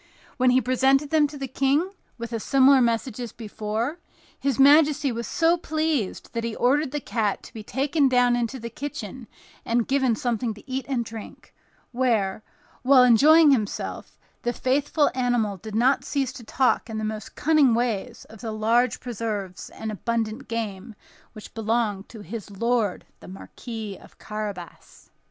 When he presented them to the King, with a similar message as before, his majesty was so pleased that he ordered the cat to be taken down into the kitchen and given something to eat and drink; where, while enjoying himself, the faithful animal did not cease to talk in the most cunning way of the large preserves and abundant game which belonged to his lord the Marquis of Carabas.